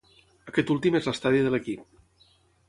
Aquest últim és l'estadi de l'equip.